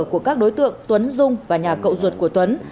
của các đối tượng tuấn dung và nhà cậu ruột của tuấn